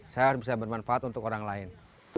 saya harus bisa bermanfaat untuk orang lain